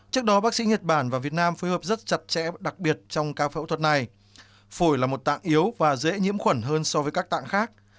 trước đó bác sĩ nhật bản và việt nam phối hợp rất chặt chẽ đặc biệt trong ca phẫu thuật này phổi là một tạng yếu và dễ nhiễm khuẩn hơn so với các tạng khác